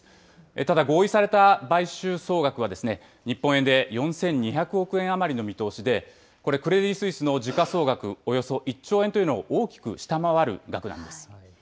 ただ、合意された買収総額は日本円で４２００億円余りの見通しで、これ、クレディ・スイスの時価総額およそ１兆円というのを大きく下回る額なんです。